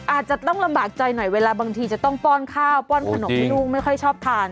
อาจจะต้องลำบากใจหน่อยเวลาบางทีจะต้องป้อนข้าวป้อนขนมให้ลูกไม่ค่อยชอบทาน